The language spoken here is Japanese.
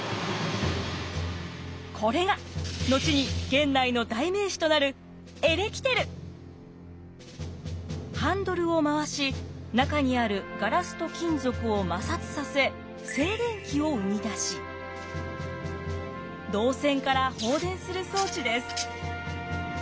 これが後に源内の代名詞となるハンドルを回し中にあるガラスと金属を摩擦させ静電気を生み出し導線から放電する装置です。